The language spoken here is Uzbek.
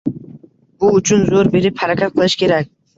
Bu uchun zo‘r berib harakat qilish kerak.